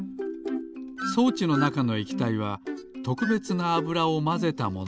装置のなかの液体はとくべつなあぶらをまぜたもの。